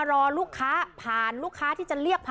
โดนสั่งแอป